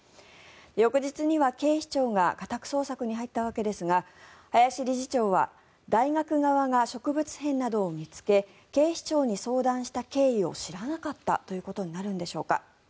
翌日には警視庁が家宅捜索に入ったわけですが林理事長は大学側が植物片などを見つけ警視庁に相談した経緯を知らなかったということになるんでしょうか。